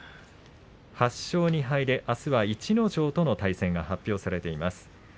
８勝２敗であすは逸ノ城との対戦が発表されています。